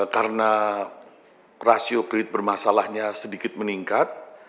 karena rasio kredit bermasalahnya sedikit meningkat